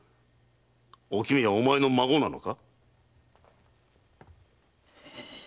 おきみはお前の孫なのか？